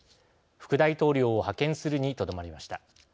副大統領を派遣するにとどまりました。